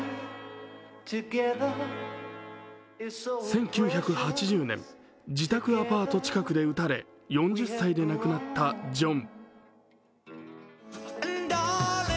１９８０年、自宅アパート近くで撃たれ４０歳で亡くなったジョン。